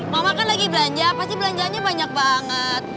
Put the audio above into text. mama kan lagi belanja pasti belanjaannya banyak banget